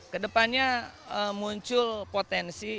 kedepannya muncul potensi